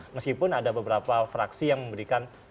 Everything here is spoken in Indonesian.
meskipun ada beberapa fraksi yang memberikan